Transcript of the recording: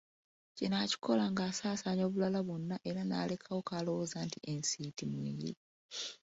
Kino akikola ng’asaasaanya obulala bwonna era n’alekawo k’alowooza nti ensiiti mw’eri.